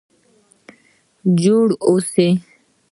جوړ اوسئ؟